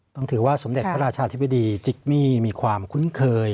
ต้องถือว่าสมเด็จพระราชาธิบดีจิกมี่มีความคุ้นเคย